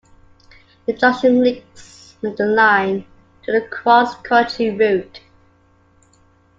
The junction links the line to the Cross Country Route.